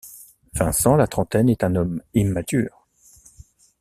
Vincent, la trentaine, est un homme immature.